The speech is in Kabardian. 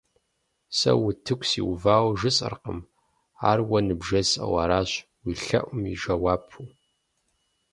Сэ утыку сиувауэ жысӏэркъым, ар уэ ныбжесӏэу аращ, уи лъэӏум и жэуапу.